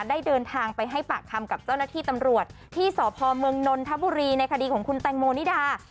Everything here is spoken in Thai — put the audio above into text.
ได้เดินทางไปให้ปากคำกับเจ้าหน้าที่ตำรวจที่สพเมืองนนทบุรีในคดีของคุณแตงโมนิดา